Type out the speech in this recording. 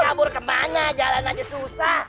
kabur kemana jalan aja susah